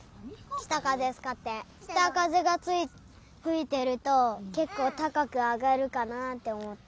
きたかぜがふいてるとけっこうたかくあがるかなっておもった。